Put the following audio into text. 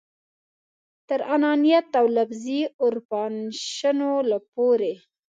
تر انانیت او لفظي اورپاشنو پورې.